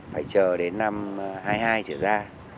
phải chờ đến năm hai mươi hai trở ra